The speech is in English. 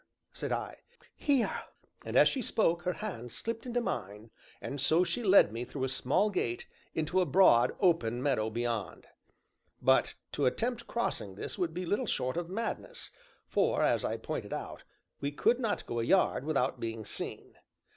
said I. "Here!" and, as she spoke, her hand slipped into mine, and so she led me through a small gate, into a broad, open meadow beyond. But to attempt crossing this would be little short of madness, for (as I pointed out) we could not go a yard without being seen.